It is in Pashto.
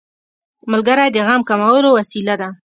ملګری د غم کمولو وسیله ده